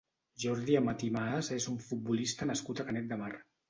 Jordi Amat i Maas és un futbolista nascut a Canet de Mar.